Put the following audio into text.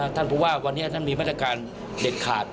ท่านผู้ว่าวันนี้ท่านมีมาตรการเด็ดขาด